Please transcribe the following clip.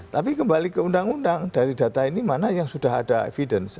tapi kembali ke undang undang dari data ini mana yang sudah ada evidence